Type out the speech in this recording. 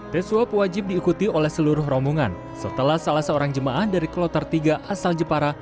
tes swab wajib diikuti oleh seluruh rombongan setelah salah seorang jemaah dari kloter tiga asal jepara